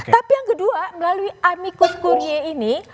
tapi yang kedua melalui amicus kurnie ini